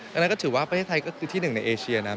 ดังนั้นก็ถือว่าประเทศไทยก็คือที่หนึ่งในเอเชียนะ